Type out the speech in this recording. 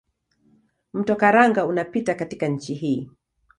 Mto Karanga unapita katika nchi hii.